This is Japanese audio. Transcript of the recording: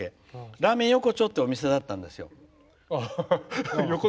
ラーメン横丁っていうお店だったんですよ。